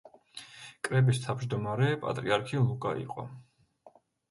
კრების თავმჯდომარე პატრიარქი ლუკა იყო.